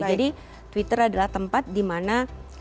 jadi twitter adalah tempat dimana